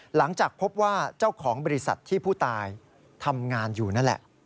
หลังจากพบว่าเจ้าของบริษัทที่ผู้ตายทำงานอยู่นั่นแหละ